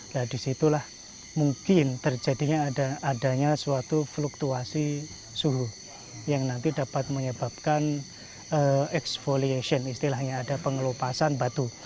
nah disitulah mungkin terjadinya adanya suatu fluktuasi suhu yang nanti dapat menyebabkan exfoliation istilahnya ada pengelupasan batu